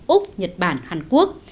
úc nhật bản hàn quốc